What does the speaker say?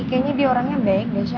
kayaknya dia orangnya baik deh syaf